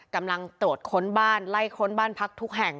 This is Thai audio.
กำลังตรวจค้นบ้านไล่ค้นบ้านพักทุกแห่ง